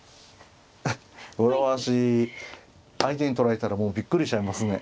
これは私相手に取られたらもうびっくりしちゃいますね。